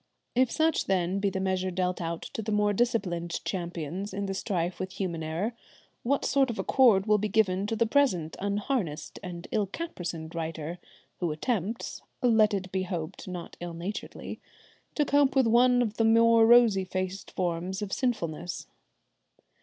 If such, then, be the measure dealt out to the more disciplined champions in the strife with human error, what sort of accord will be given to the present unharnessed and ill caparisoned writer, who attempts, let it be hoped not ill naturedly, to cope with one of the more rosy faced forms of sinfulness.